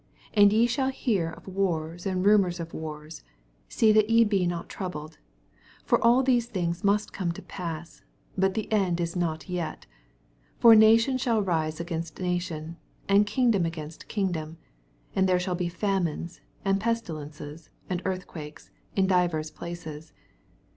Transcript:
6 And ye shall hear of wars and rumors of wars : see that ye be not troubled: for all these thmgs must «ome to pass, but the end is not yeti 7 For nation shall rise as^ainst na tion, and kingdom against kingdom : and there shall be &mines, and pesti* lences, and earthquakes, in divers places.